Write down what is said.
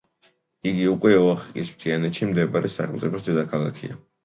იგი უკვე ოახაკის მთიანეთში მდებარე სახელმწიფოს დედაქალაქია.